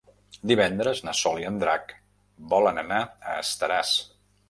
Divendres na Sol i en Drac volen anar a Estaràs.